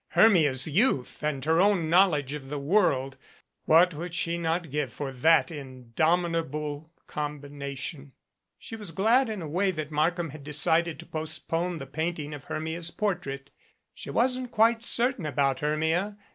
Hermia's youth and her own knowledge of the world what would she not give for that indomitable combina tion ! She was glad in a way that Markham had decided to postpone the painting of Hermia's portrait. She wasn't quite certain about Hermia..